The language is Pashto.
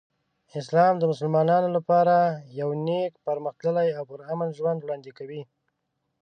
اسلام د مسلمانانو لپاره یو نیک، پرمختللی او پرامن ژوند وړاندې کوي.